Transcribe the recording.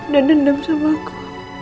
dan dendam sama aku